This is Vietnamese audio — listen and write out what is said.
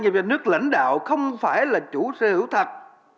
do nhà nước lãnh đạo không phải là chủ sở hữu thật